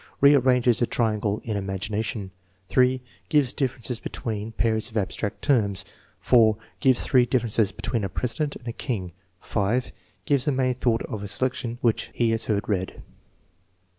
Rearranges a triangle in imagination. 3. Gives differences between pairs of abstract terms. 4. Gives three differences between a president and a king. 5. Gives the main thought of a selection which he has heard read.